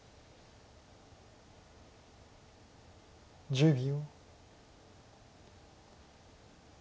１０秒。